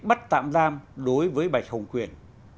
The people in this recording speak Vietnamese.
bắt tạm giam đối với bạch hồng quyền